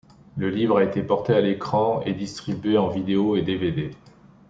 Le livre a été porté à l'écran et distribué en vidéo et dvd.